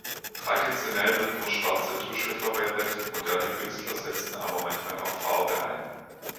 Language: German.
Traditionell wird nur schwarze Tusche verwendet, moderne Künstler setzen aber manchmal auch Farbe ein.